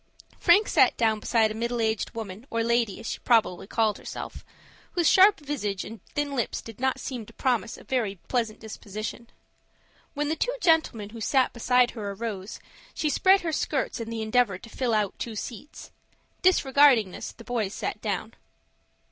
Frank sat down beside a middle aged woman, or lady, as she probably called herself, whose sharp visage and thin lips did not seem to promise a very pleasant disposition. When the two gentlemen who sat beside her arose, she spread her skirts in the endeavor to fill two seats. Disregarding this, the boys sat down.